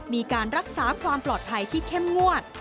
มีการรักษาความปลอดภัยที่เข้มงวด